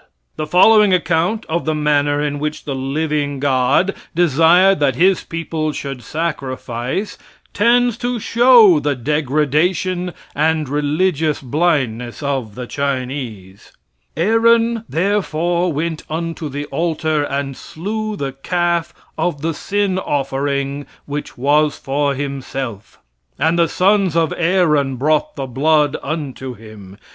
The following account of the manner in which the "living God" desired that His people should sacrifice tends to show the degradation and religious blindness of the Chinese : "Aaron therefore went unto the altar and slew the calf of the sin offering which was for himself. And the sons of Aaron brought the blood unto him.